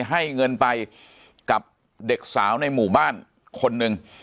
ให้เงินไปกับเด็กสาวในหมู่บ้านคนหนึ่ง